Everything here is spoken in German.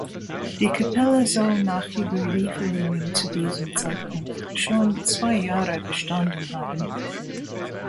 Die Kapelle soll nach Überlieferungen zu diesem Zeitpunkt schon zwei Jahre bestanden haben.